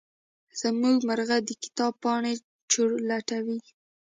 زمونږ مرغه د کتاب پاڼې چورلټوي.